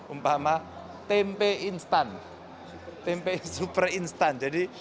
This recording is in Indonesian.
umpama tempe instan tempe super instan